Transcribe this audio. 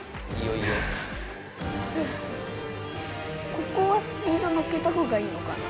ここはスピードのっけたほうがいいのかな？